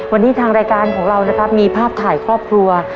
วันนี้ทางรายการของเรานะครับมีภาพถ่ายครอบครัว